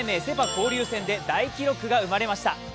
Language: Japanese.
交流戦で大記録が生まれました。